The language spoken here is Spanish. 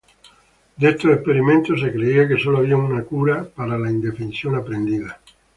De estos experimentos, se creía que solo había una cura para la indefensión aprendida.